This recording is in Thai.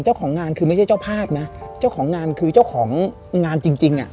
เจ้าของงานคือไม่ใช่เจ้าภาพนะเจ้าของงานคือเจ้าของงานจริงจริงอ่ะ